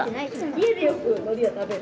家でよくのりは食べる？